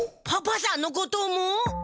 パパさんのことも？